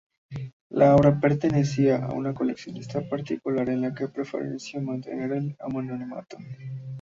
La obra pertenecía a una coleccionista particular que prefirió mantenerse en el anonimato.